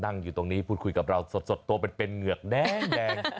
นั่งอยู่ตรงนี้พูดคุยกับเราสดตัวเป็นเหงือกแดง